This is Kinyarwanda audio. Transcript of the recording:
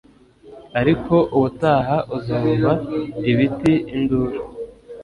Ariko ubutaha uzumva 'Ibiti!' induru